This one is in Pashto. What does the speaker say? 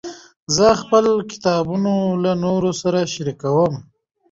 زه خپل کتابونه له نورو سره شریکوم.